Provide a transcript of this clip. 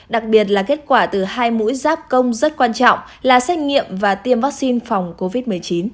đặc biệt là kết quả từ hai mũi giáp công rất quan trọng là xét nghiệm và tiêm vaccine phòng covid một mươi chín